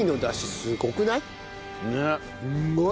すっごい！